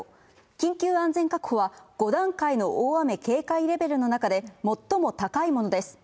緊急安全確保は、５段階の大雨警戒レベルの中で最も高いものです。